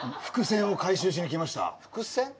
伏線を回収しに来ました伏線？